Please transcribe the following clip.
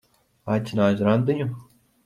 Aicināja uz randiņu?